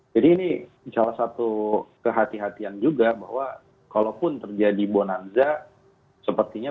ini salah satu kehatian juga bahwa kalaupun terjadi bonanza sepertinya